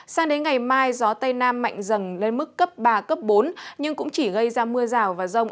sang đến ngày mai gió tây nam mạnh dần lên mức cấp ba cấp bốn nhưng cũng chỉ gây ra mưa rào và rông